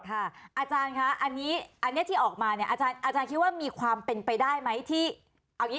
อาจารย์คะอันนี้ที่ออกมาเนี่ยอาจารย์คิดว่ามีความเป็นไปได้ไหมที่เอาอย่างนี้